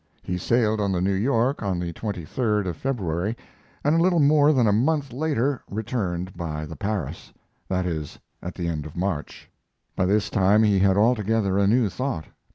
He sailed on the New York on the end of February, and a little more than a month later returned by the Paris that is, at the end of March. By this time he had altogether a new thought.